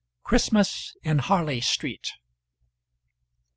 CHRISTMAS IN HARLEY STREET.